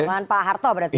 bukan pak harto berarti